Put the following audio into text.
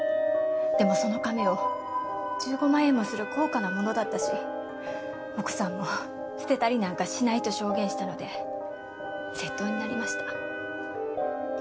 でもそのカメオ１５万円もする高価なものだったし奥さんも捨てたりなんかしないと証言したので窃盗になりました。